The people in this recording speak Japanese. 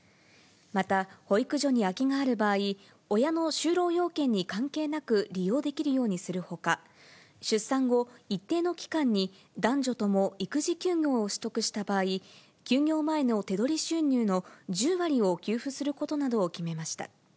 また、保育所に空きがある場合、親の就労要件に関係なく利用できるようにするほか、出産後、一定の期間に男女とも育児休業を取得した場合、休業前の手取り収入の１０割を給付することなどを決めました。